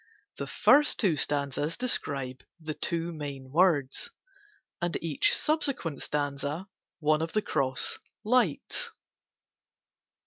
The first two stanzas describe the two main words, and each subsequent stanza one of the cross "lights."